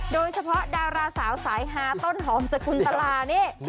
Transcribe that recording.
โดยเฉพาะดาราสาวสายฮาต้นหอมสกุลตลานี่